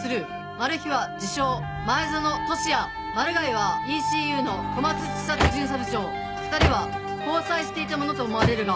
マルヒは自称前薗俊哉マルガイはＥＣＵの小松知里巡査部長２人は交際していたものと思われるが。